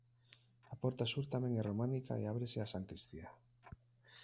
A porta sur tamén é románica e ábrese á sancristía.